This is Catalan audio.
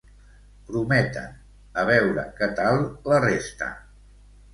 Prometen, a veure què tal la resta.